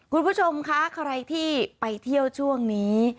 คุณผู้ชมคะใครที่ไปเที่ยวช่วงนี้